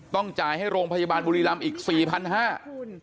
ต้องจ่ายให้โรงพยาบาลบุรีรำอีก๔๕๐๐บาท